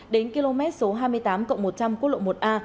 hai mươi tám cộng một trăm linh quốc lộ một a